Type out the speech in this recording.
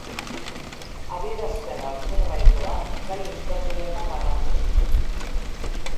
Adierazpen aljebraikoak gai ezberdinetan banatzen dira.